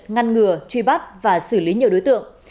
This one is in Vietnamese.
ngăn ngừa truy bắt và xử lý nhiều đối tượng